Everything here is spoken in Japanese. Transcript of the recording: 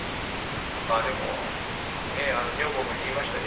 まあでもねえ女房も言いました。